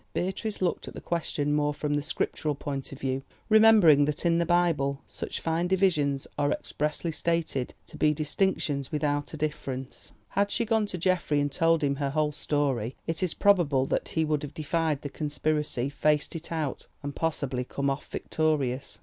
Beatrice looked at the question more from the scriptural point of view, remembering that in the Bible such fine divisions are expressly stated to be distinctions without a difference. Had she gone to Geoffrey and told him her whole story it is probable that he would have defied the conspiracy, faced it out, and possibly come off victorious.